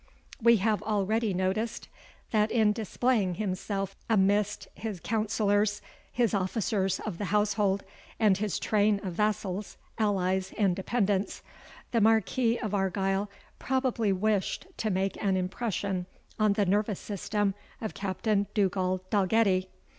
We have already noticed, that in displaying himself amidst his councillors, his officers of the household, and his train of vassals, allies, and dependents, the Marquis of Argyle probably wished to make an impression on the nervous system of Captain Dugald Dalgetty.